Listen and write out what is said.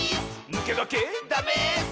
「ぬけがけ」「ダメス！」